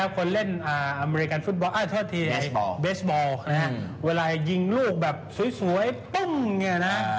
คนเล่นเบสบอลเวลายิงลูกแบบสวยตุ้งอย่างนี้นะ